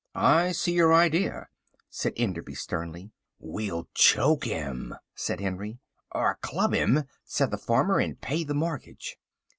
"I see your idea," said Enderby sternly. "We'll choke him," said Henry. "Or club him," said the farmer, "and pay the mortgage."